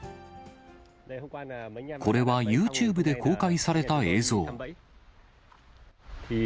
これはユーチューブで公開された映像。